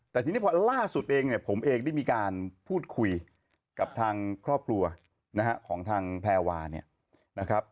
แต่ทีนี้พอล่าสุดเองเนี่ยผมเองได้มีการพูดคุยกับทางครอบครัวนะฮะของทางแพรวาเนี่ยนะครับ